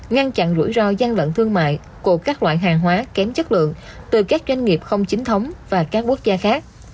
ngăn chặn rủi ro gian lận thương mại của các loại hàng hóa kém chất lượng từ các doanh nghiệp không chính thống và các quốc gia khác